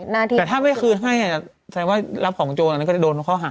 แต่ถ้าไม่คืนให้เนี่ยแสดงว่ารับของโจรนั้นก็จะโดนเข้าหัง